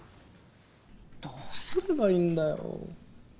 どうすればいいんだよ。